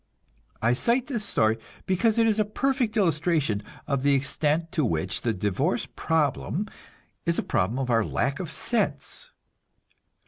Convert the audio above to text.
I cite this story because it is a perfect illustration of the extent to which the "divorce problem" is a problem of our lack of sense.